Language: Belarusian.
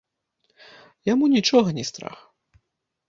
Яму нічога не страх.